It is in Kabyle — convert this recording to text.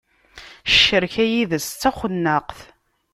Ccerka yid-s d taxennaqt.